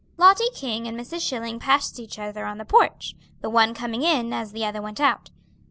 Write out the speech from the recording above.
Lottie King and Mrs. Schilling passed each other on the porch, the one coming in as the other went out.